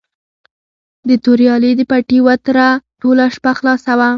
د توریالي د پټي وتره ټوله شپه خلاصه وه.